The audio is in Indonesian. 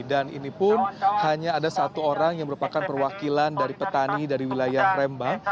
dan inipun hanya ada satu orang yang merupakan perwakilan dari petani dari wilayah rembang